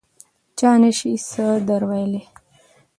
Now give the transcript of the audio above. چا نه شي څه در ویلای.